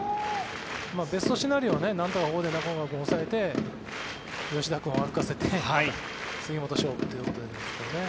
ベストシナリオはここでなんとか中川君、抑えて吉田君を歩かせて杉本勝負ということですね。